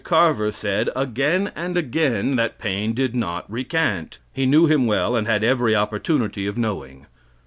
Carver said again and again that Paine did not recant. He knew him well, and had every opportunity of knowing.